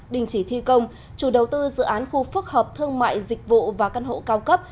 đình chỉ thi công chủ đầu tư dự án khu phức hợp thương mại dịch vụ và căn hộ cao cấp